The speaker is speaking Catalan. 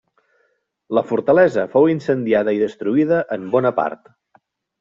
La fortalesa fou incendiada i destruïda en bona part.